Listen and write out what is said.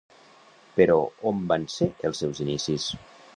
Però on van ser els seus inicis?